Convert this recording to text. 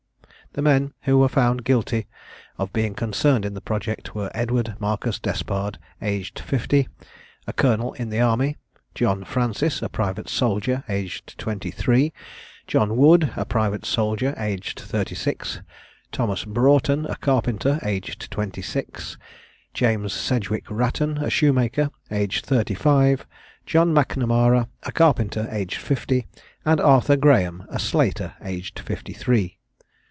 The men, who were found guilty of being concerned in the project, were Edward Marcus Despard, aged fifty, a colonel in the army; John Francis, a private soldier, aged twenty three; John Wood, a private soldier, aged thirty six; Thomas Broughton, a carpenter, aged twenty six; James Sedgwick Wratton, a shoemaker, aged thirty five; John Macnamara, a carpenter, aged fifty; and Arthur Graham, a slater, aged fifty three.